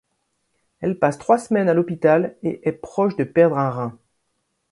Elle passe trois semaines à l'hôpital et est proche de perdre un rein.